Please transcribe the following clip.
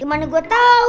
gimana gua tau